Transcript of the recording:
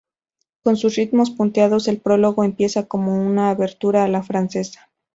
Con sus ritmos punteados el prólogo empieza como una obertura a la francesa.